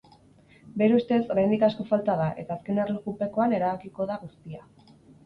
Bere ustez, oraindik asko falta da eta azken erlojupekoan erabakiko da guztia.